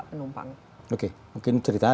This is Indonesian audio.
penumpang oke mungkin ceritanya